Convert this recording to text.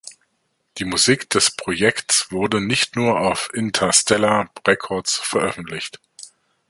Die Musik des Projekts wurde nicht nur auf Intastella Records veröffentlicht.